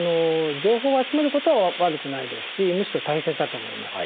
情報を集めることは悪くないですしむしろ大切だと思います。